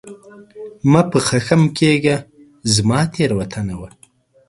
مه په خښم کېږه ، زما تېروتنه وه !